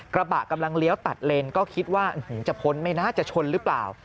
กระบะกำลังเลี้ยวตัดเลนก็คิดว่าจะพ้นไม่น่าจะชนหรือเปล่า